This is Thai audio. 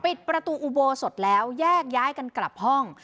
ปิดประตูอุโบสถแล้วแยกย้ายกันกลับห้อง